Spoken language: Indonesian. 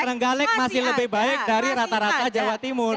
trenggalek masih lebih baik dari rata rata jawa timur